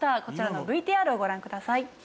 こちらのＶＴＲをご覧ください。